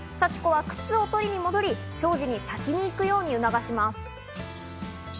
幸子は靴を取りに戻り、章司に先に行くように促します。